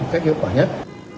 cách hiệu quả nhất